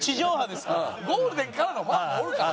ゴールデンからのファンもおるからね。